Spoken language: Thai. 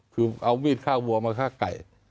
คือเอามีดฆ่าวัวมาฆ่าไก่